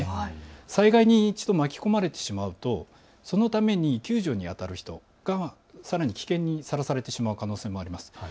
災害に巻き込まれてしまうとそのために救助にあたる人がさらに危険にさらされてしまう可能性があるんです。